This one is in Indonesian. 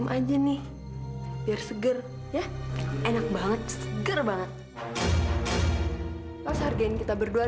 kau kedatangan past charge empat puluh lima meternya